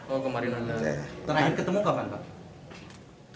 oh kemarin ada terakhir ketemu kapan pak